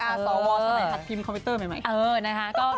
อักทรงคอมพิวเตอร์ใหม่